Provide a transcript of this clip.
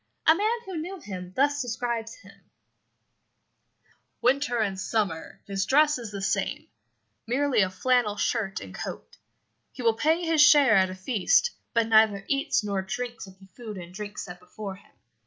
A man who knew him thus describes him 'Winter and summer his dress is the same merely a flannel shirt and coat. He will pay his share at a feast, but neither eats nor drinks of the food and drink set before him.